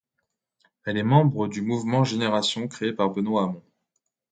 Elle est membre du mouvement Génération.s créé par Benoit Hamon.